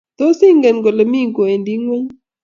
Tos, ingen kole mi kowendi ingweny?